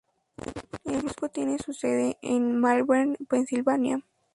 El Grupo tiene su sede en Malvern, Pensilvania.